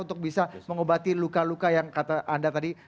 untuk bisa mengobati luka luka yang kata anda tadi